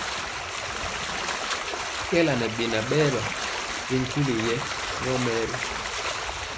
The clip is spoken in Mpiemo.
Kɛɛla ŋɛ beŋa berwa ri nkuli yɛɛ yomɛɛri.